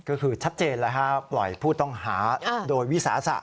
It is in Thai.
ก็คือชัดเจนแล้วฮะปล่อยผู้ต้องหาโดยวิสาสะ